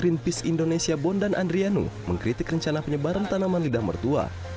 ketua pertama dki greenpeace indonesia bondan andrianu mengkritik rencana penyebaran tanaman lidah mertua